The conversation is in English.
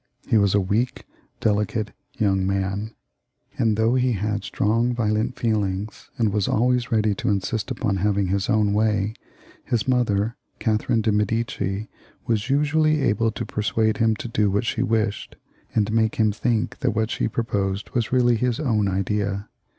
He was a weak, delicate young man, and though he had strong, violent feelings, and was jJways ready to insist upon having his own way, his mother, Catherine of Medicis, was usually able to persuade him to do what she wished, and make him think that what she proposed was xxxviil] CHARLES IX. 279 really his own idea.